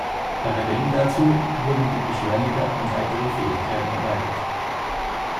Parallel dazu wurden die Beschleuniger um weitere Fähigkeiten erweitert.